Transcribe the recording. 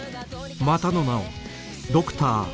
またの名をドクター Ｘ